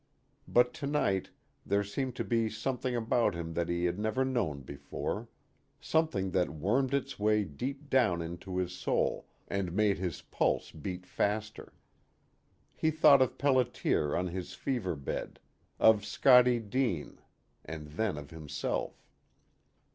But to night there seemed to be something about him that he had never known before, something that wormed its way deep down into his soul and made his pulse beat faster. He thought of Pelliter on his fever bed, of Scottie Deane, and then of himself.